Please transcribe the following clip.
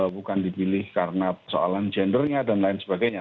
bukan dipilih karena persoalan gendernya dan lain sebagainya